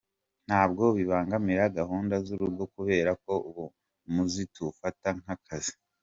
Ntabwo bibangamira gahunda z’urugo kubera ko ubu umuziki tuwufata nk’akazi.